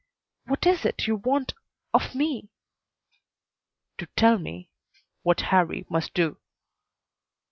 "What is it you want of me?" "To tell me what Harrie must do."